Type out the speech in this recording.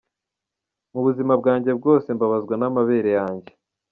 Mu buzima bwanjye bwose mbabazwa n’amabere yanjye.